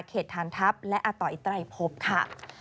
เขตทานทัพและอัตต่อไอ้ไตไตรภพค่ะ